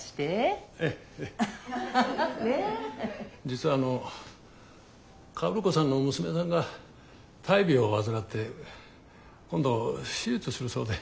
実はあの薫子さんの娘さんが大病を患って今度手術するそうで。